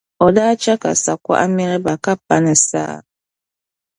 O daa chɛ ka sakuɣa m-miri ba ka pa ni saa.